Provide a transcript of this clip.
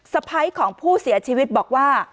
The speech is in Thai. สะพ้ายของผู้เสียชีวิตบอกว่า